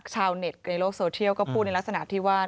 ชาวเน็ตในโลกโซเทียลก็พูดในลักษณะที่ว่า